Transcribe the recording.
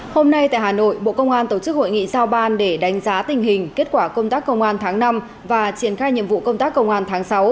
hôm nay tại hà nội bộ công an tổ chức hội nghị sao ban để đánh giá tình hình kết quả công tác công an tháng năm và triển khai nhiệm vụ công tác công an tháng sáu